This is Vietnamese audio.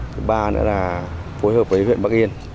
thứ ba nữa là phối hợp với huyện bắc yên